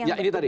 ya ini tadi